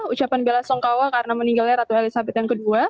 ucapan bela songkawa karena meninggalnya ratu elizabeth ii